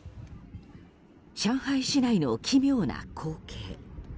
上海市内の奇妙な光景。